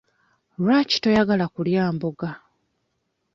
Lwaki toyagala kulya mboga?